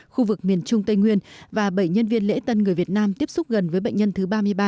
khu vực miền trung tây nguyên và bảy nhân viên lễ tân người việt nam tiếp xúc gần với bệnh nhân thứ ba mươi ba